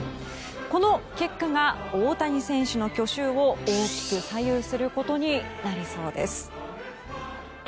この結果が大谷選手の去就を大きく左右することになりそうです。